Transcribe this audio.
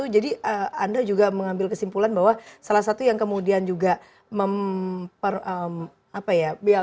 jadi anda juga mengambil kesimpulan bahwa salah satu yang kemudian juga memper apa ya